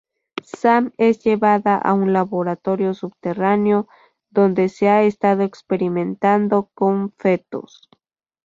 Sam es llevada a un laboratorio subterráneo donde se ha estado experimentando con fetos.